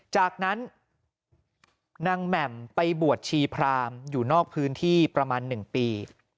จากนั้นนางแหม่มไปบวชชีพรามอยู่นอกพื้นที่ประมาณ๑ปี